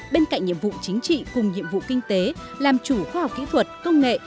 bên cạnh nhiệm vụ chính trị cùng nhiệm vụ kinh tế làm chủ khoa học kỹ thuật công nghệ